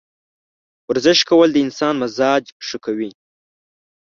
ورزش کول د انسان مزاج ښه کوي.